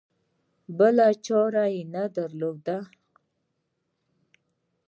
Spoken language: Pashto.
بله چاره یې نه درلوده.